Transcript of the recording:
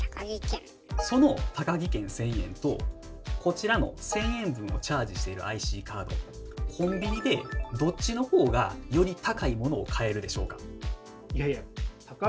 その「タカギ券１，０００えん」とこちらの１，０００円分をチャージしているＩＣカードコンビニでどっちのほうがより高いものを買えるでしょうか？